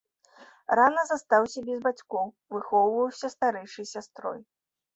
Рана застаўся без бацькоў, выхоўваўся старэйшай сястрой.